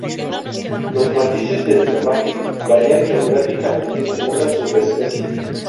Los matices de plumaje varían geográficamente, según la subespecie.